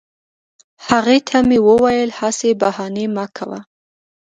هغې ته مې وویل هسي بهانې مه کوه